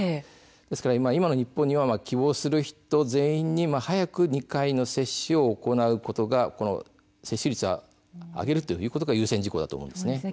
ですから今の日本には希望する人全員に早く２回の接種を行うことが接種率を上げるということが優先事項だと思います。